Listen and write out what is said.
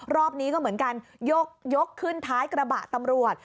รอบนี้ก็เหมือนกันยกขึ้นท้ายกระบะตำรวจ